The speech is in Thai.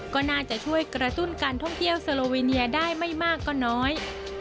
ก็น่าจะช่วยกระตุ้นการท่องเที่ยวสโลวิเนียได้ไม่มากก็น้อย